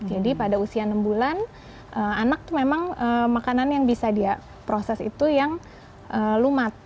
jadi pada usia enam bulan anak tuh memang makanan yang bisa dia proses itu yang lumat